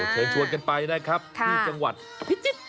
เชิญชวนกันไปนะครับที่จังหวัดพิจิตร